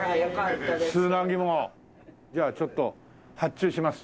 じゃあちょっと発注します。